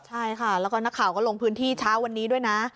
ใช่ค่ะแล้วก็นักข่าวก็ลงพื้นที่เช้าวันนี้ด้วยนะ